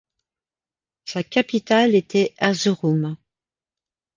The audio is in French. Sa capitale était Erzurum.